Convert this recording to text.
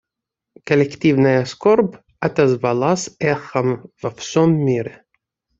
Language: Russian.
Коллективная скорбь отозвалась эхом во всем мире.